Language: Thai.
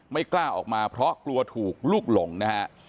ไม่กล้าออกมาเพราะกลัวถูกลูกหลงนะฮะ